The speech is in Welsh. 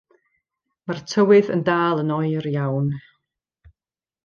Mae'r tywydd yn dal yn oer iawn.